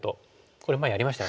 これ前やりましたよね。